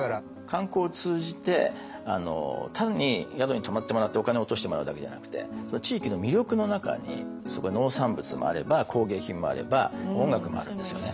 観光を通じて単に宿に泊まってもらってお金を落としてもらうだけじゃなくてその地域の魅力の中にそこの農産物もあれば工芸品もあれば音楽もあるんですよね。